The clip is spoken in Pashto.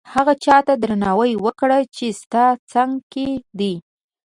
هغه چاته درناوی وکړه چې ستا څنګ کې دي.